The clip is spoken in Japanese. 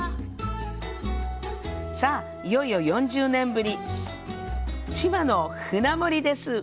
さあ、いよいよ４０年ぶり、志摩の舟盛りです。